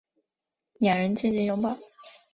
两人静静拥抱